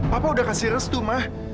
papa udah kan serius tuh ma